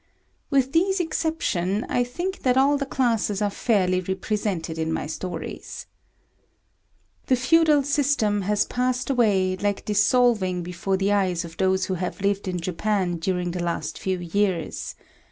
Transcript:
With these exceptions, I think that all classes are fairly represented in my stories. The feudal system has passed away like a dissolving view before the eyes of those who have lived in Japan during the last few years.